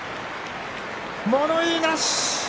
物言いなし。